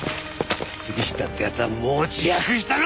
杉下って奴はもう自白したのか！？